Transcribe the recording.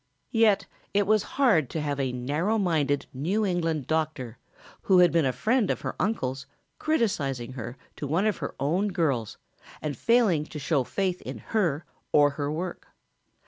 Yet it was hard to have a narrow minded New England doctor who had been a friend of her uncle's criticizing her to one of her own girls and failing to show faith in her or her work.